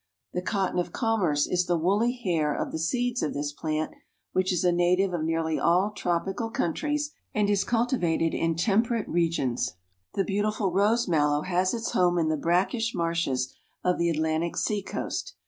The Cotton of commerce is the woolly hair of the seeds of this plant which is a native of nearly all tropical countries and is cultivated in temperate regions. The beautiful Rose Mallow has its home in the brackish marshes of the Atlantic sea coast.